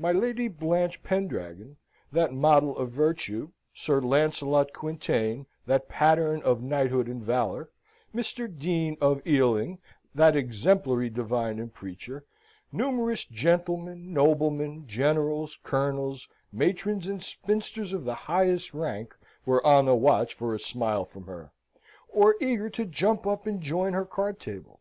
My Lady Blanche Pendragon, that model of virtue; Sir Lancelot Quintain, that pattern of knighthood and valour; Mr. Dean of Ealing, that exemplary divine and preacher; numerous gentlemen, noblemen, generals, colonels, matrons, and spinsters of the highest rank, were on the watch for a smile from her, or eager to jump up and join her card table.